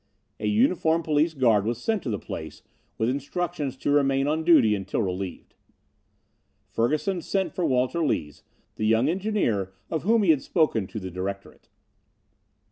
A uniformed police guard was sent to the place with instructions to remain on duty until relieved. Ferguson sent for Walter Lees, the young engineer of whom he had spoken to the directorate.